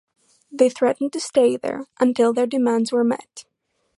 They threatened to stay there until their demands were met.